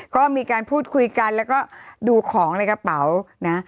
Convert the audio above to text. ก็มีการพูดคุยกันแล้วก็ดูของในกระเป๋านะ